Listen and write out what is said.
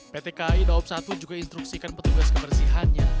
pt kai daob satu juga instruksikan petugas kebersihannya